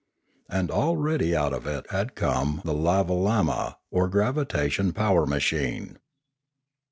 And already out of it had come the lavo lamma or gravitation power machine.